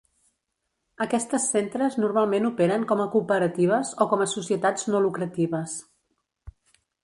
Aquestes centres normalment operen com a cooperatives o com a societats no lucratives.